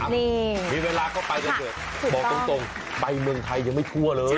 นี่มีเวลาก็ไปกันเถอะบอกตรงไปเมืองไทยยังไม่ทั่วเลย